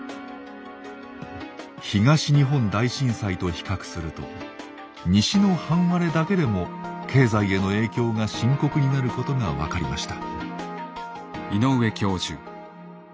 東日本大震災と比較すると西の半割れだけでも経済への影響が深刻になることが分かりました。